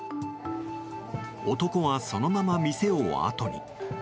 男はそのまま店をあとに。